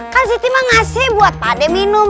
kan siti mah ngasih buat pade minum